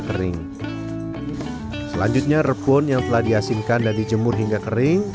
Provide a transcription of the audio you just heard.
kering selanjutnya rebun yang telah diasinkan dan dijemur hingga kering